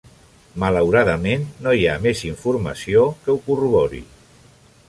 Malauradament no hi ha més informació que ho corrobori.